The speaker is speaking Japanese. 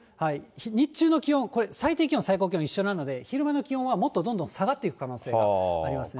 日中の気温、これ、最低気温、最高気温一緒なので、昼間の気温はもっとどんどん下がっていく可能性があります。